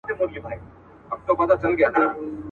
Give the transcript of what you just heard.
څوک چی دلته ښه دي هلته به لوړېږي.